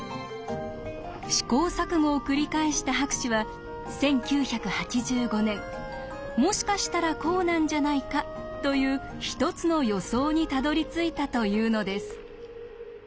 試行錯誤を繰り返した博士は１９８５年もしかしたらこうなんじゃないかという一つの予想にたどりついたというのです。